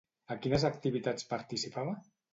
A quines activitats participava?